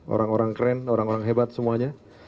orang orang keren orang orang hebat semuanya